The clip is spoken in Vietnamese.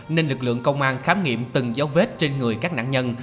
nên lực lượng công an khám nghiệm từng dấu vết trên người các nạn nhân